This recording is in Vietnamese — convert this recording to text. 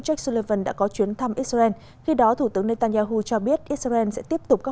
jake sullivan đã có chuyến thăm israel khi đó thủ tướng netanyahu cho biết israel sẽ tiếp tục các